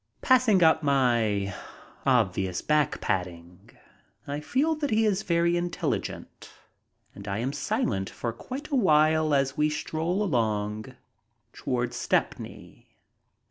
Passing up my obvious back patting, I feel that he is very intelligent, and I am silent for quite a while as we stroll along toward Stepney.